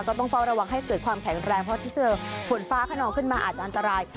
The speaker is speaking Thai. ต้องเฝ้าระวังให้เกิดความแข็งแรงเพราะที่เจอฝนฟ้าขนองขึ้นมาอาจจะอันตราย